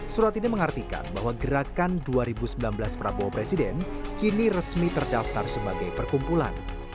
surat ini mengartikan bahwa gerakan dua ribu sembilan belas prabowo presiden kini resmi terdaftar sebagai perkumpulan